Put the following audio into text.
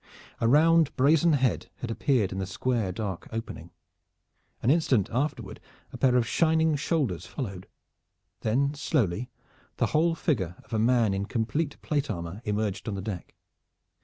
A round brazen head had appeared in the square dark opening. An instant afterward a pair of shining shoulders followed. Then slowly the whole figure of a man in complete plate armor emerged on the deck.